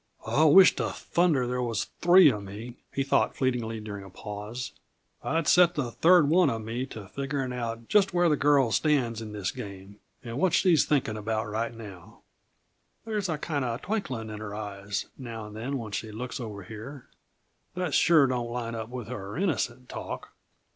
"I wisht to thunder there was three uh me," he thought fleetingly during a pause. "I'd set the third one uh me to figuring out just where the girl stands in this game, and what she's thinking about right now. There's a kinda twinkling in her eyes, now and then when she looks over here, that sure don't line up with her innocent talk.